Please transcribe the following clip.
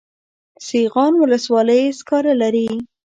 سیغان ولسوالۍ سکاره لري؟